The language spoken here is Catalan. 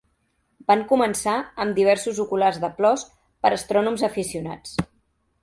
Van començar amb diversos oculars de Plossl per a astrònoms aficionats.